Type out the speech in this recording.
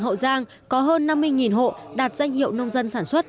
hiện nay toàn tỉnh hậu giang có hơn năm mươi hộ đạt danh hiệu nông dân sản xuất